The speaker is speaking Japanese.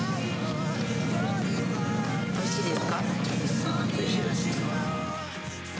おいしいです。